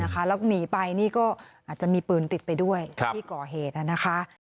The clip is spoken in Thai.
แล้วหนีไปนี่ก็อาจจะมีปืนติดไปด้วยที่ก่อเหตุนะคะ